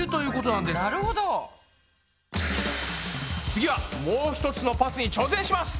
次はもう一つのパスに挑戦します！